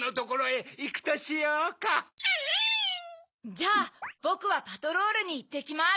じゃあボクはパトロールにいってきます。